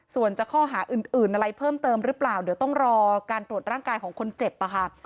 ส่วนจะข้อหาอื่นอะไรเพิ่มเติมหรือเปล่าเดี๋ยวต้องรอการตรวจร่างกายของคนเจ็บค่ะ